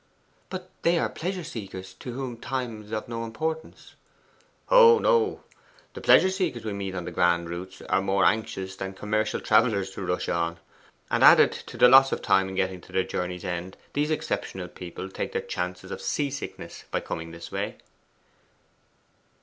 'But they are pleasure seekers, to whom time is of no importance.' 'Oh no. The pleasure seekers we meet on the grand routes are more anxious than commercial travellers to rush on. And added to the loss of time in getting to their journey's end, these exceptional people take their chance of sea sickness by coming this way.